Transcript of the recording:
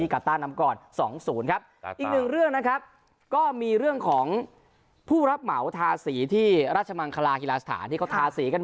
ครับอีกหนึ่งเรื่องนะครับก็มีเรื่องของผู้รับเหมาทาสีที่รัชมังคลาฮิลาสถาที่เขาทาสีกันใหม่